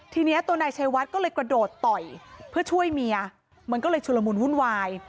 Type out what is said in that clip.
ทีนี้ตัวนายชัยวัดก็เลยกระโดดต่อยเพื่อช่วยเมียมันก็เลยชุลมุนวุ่นวาย